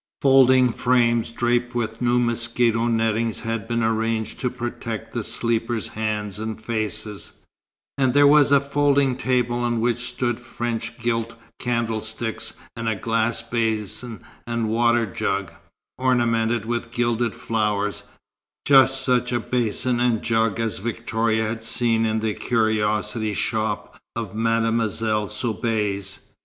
Folding frames draped with new mosquito nettings had been arranged to protect the sleepers' hands and faces; and there was a folding table on which stood French gilt candlesticks and a glass basin and water jug, ornamented with gilded flowers; just such a basin and jug as Victoria had seen in the curiosity shop of Mademoiselle Soubise.